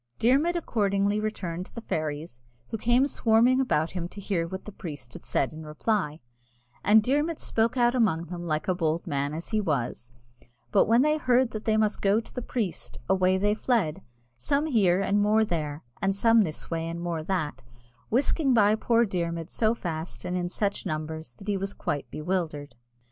Dermod accordingly returned to the fairies, who came swarming round about him to hear what the priest had said in reply; and Dermod spoke out among them like a bold man as he was: but when they heard that they must go to the priest, away they fled, some here and more there, and some this way and more that, whisking by poor Dermod so fast and in such numbers that he was quite bewildered.